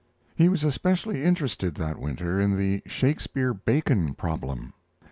He was especially interested that winter in the Shakespeare Bacon problem.